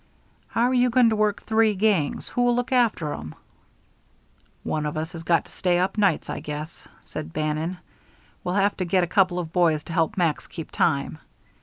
"How are you going to work three gangs? Who'll look after 'em?" "One of us has got to stay up nights, I guess," said Bannon. "We'll have to get a couple of boys to help Max keep time.